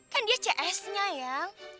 kan dia cs nya ya